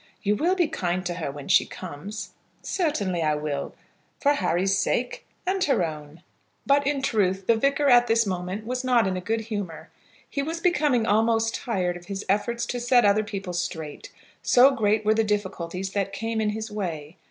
You will be kind to her when she comes?" "Certainly I will, for Harry's sake and her own." But in truth the Vicar at this moment was not in a good humour. He was becoming almost tired of his efforts to set other people straight, so great were the difficulties that came in his way.